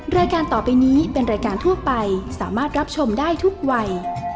รายการต่อไปนี้เป็นรายการทั่วไปสามารถรับชมได้ทุกวัย